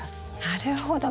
なるほど。